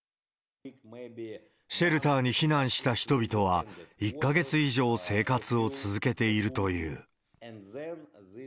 シェルターに避難した人々は、１か月以上生活を続けているという。